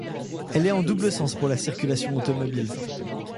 Elle est en double sens pour la circulation automobile.